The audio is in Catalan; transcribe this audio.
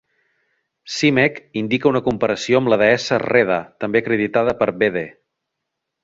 Simek indica una comparació amb la deessa Rheda, també acreditada per Bede.